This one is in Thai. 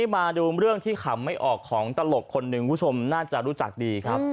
มาดูเรื่องที่ขำไม่ออกของตลกคนหนึ่งคุณผู้ชมน่าจะรู้จักดีครับ